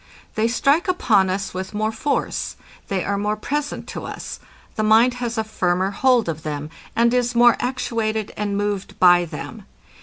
They strike upon us with more force; they are more present to us; the mind has a firmer hold of them, and is more actuated and moved by them.